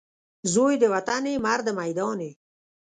زوی د وطن یې ، مرد میدان یې